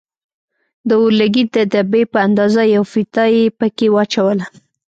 د اورلګيت د دبي په اندازه يوه فيته يې پکښې واچوله.